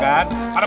para mau gak nih